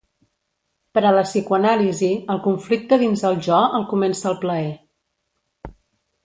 Per a la psicoanàlisi, el conflicte dins el jo el comença el plaer.